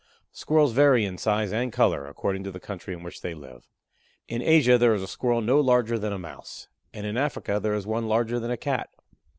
Squirrels vary in size and color according to the country in which they live. In Asia there is a Squirrel no larger than a Mouse, and in Africa there is one larger than a Cat.